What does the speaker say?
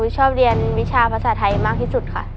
ชอบเรียนวิชาภาษาไทยมากที่สุดค่ะ